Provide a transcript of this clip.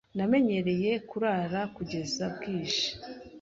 Namenyereye kurara kugeza bwije.